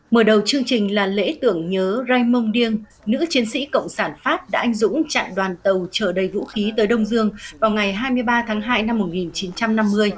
mở đầu chương trình là lễ tưởng nhớ raymond dieng nữ chiến sĩ cộng sản pháp đã anh dũng chặn đoàn tàu trở đầy vũ khí tới đông dương vào ngày hai mươi ba tháng hai năm một nghìn chín trăm năm mươi